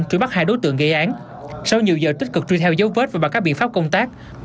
truy bắt hai đối tượng gây án sau nhiều giờ tích cực truy theo dấu vết và bằng các biện pháp công tác